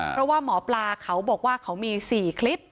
เพราะว่าหมอปลาเขาบอกว่าเขามี๔คลิป